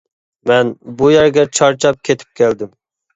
مەن بۇ يەرگە چارچاپ كېتىپ كەلدىم.